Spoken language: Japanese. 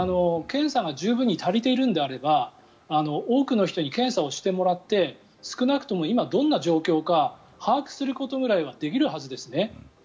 検査が十分に足りているのであれば多くの人に検査をしてもらって少なくとも今どんな状況か把握することぐらいはできるはずですね。